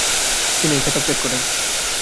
তিনি এই খেতাব ত্যাগ করেন।